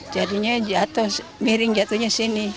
jadinya jatuh miring jatuhnya sini